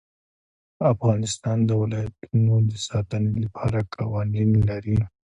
افغانستان د ولایتونو د ساتنې لپاره قوانین لري.